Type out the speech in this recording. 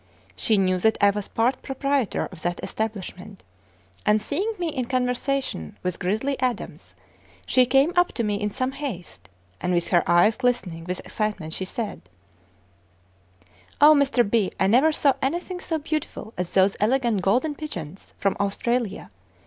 She knew that I was part proprietor of that establishment, and seeing me in conversation with "Grizzly Adams," she came up to me in some haste, and with her eyes glistening with excitement, she said: "O, Mr. B., I never saw anything so beautiful as those elegant 'Golden Pigeons' from Australia.